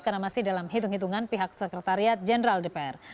karena masih dalam hitung hitungan pihak sekretariat jenderal dpr